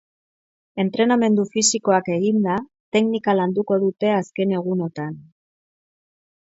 Entrenamendu fisikoak eginda, teknika landuko dute azken egunotan.